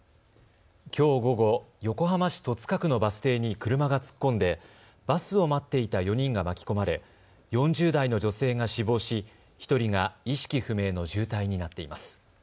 きょう午後、横浜市戸塚区のバス停に車が突っ込んでバスを待っていた４人が巻き込まれ４０代の女性が死亡し１人が意識不明の重体になっています。